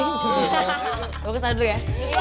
gue kesana dulu ya